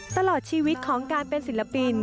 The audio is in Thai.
ตลอดชีวิตของการเป็นศิลปิน